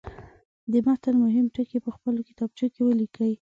د متن مهم ټکي په خپلو کتابچو کې ولیکئ.